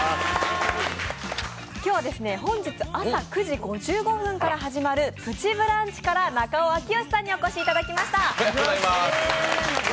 本日朝９時５５分から始まる「プチブランチ」から中尾明慶さんにお越しいただきました。